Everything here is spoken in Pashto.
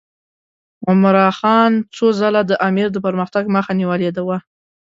عمرا خان څو ځله د امیر د پرمختګ مخه نیولې وه.